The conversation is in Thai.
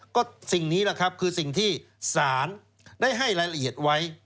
ก็สิ่งนี้แหละครับคือสิ่งที่ศาลได้ให้รายละเอียดไว้